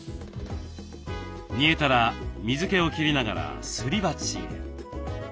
煮えたら水けを切りながらすり鉢へ。